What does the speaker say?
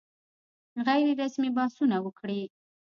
غیر رسمي بحثونه وکړي.